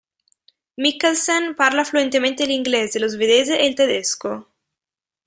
Mikkelsen parla fluentemente l'inglese, lo svedese e il tedesco.